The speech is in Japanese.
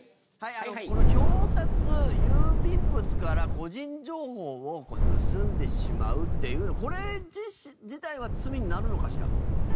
この表札郵便物から個人情報を盗んでしまうっていうのはこれ自体は罪になるのかしら？